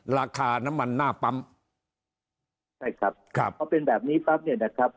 ราคาน้ำมันหน้าปั๊มใช่ครับเพราะมีแบบนี้บางอย่าง